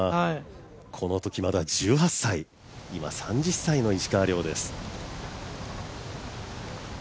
このときまだ１８歳今、３０歳の石川遼です。